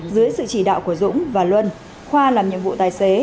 dưới sự chỉ đạo của dũng và luân khoa làm nhiệm vụ tài xế